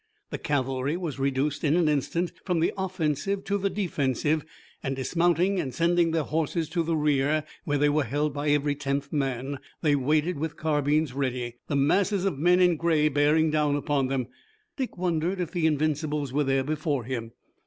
The cavalry was reduced in an instant from the offensive to the defensive, and dismounting and sending their horses to the rear, where they were held by every tenth man, they waited with carbines ready, the masses of men in gray bearing down upon them. Dick wondered if the Invincibles were there before him.